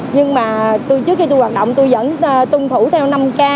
nhưng mà từ trước khi tôi hoạt động tôi vẫn tuân thủ theo năm k